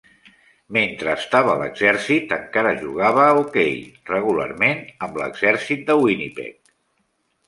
Mentre estava a l'exèrcit, encara jugava a hoquei regularment amb l'exèrcit de Winnipeg.